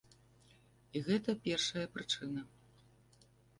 І гэта першая прычына.